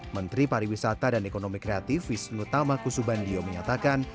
menteri pariwisata dan ekonomi kreatif visnutama kusubandio menyatakan